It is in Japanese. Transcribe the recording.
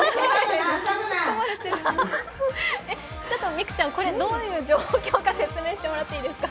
美空ちゃん、これどういう状況か説明してもらっていいですか？